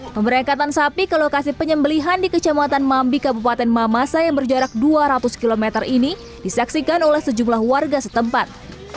pemberangkatan sapi ke lokasi penyembelihan di kecamatan mambi kabupaten mamasa yang berjarak dua ratus km ini disaksikan oleh sejumlah warga setempat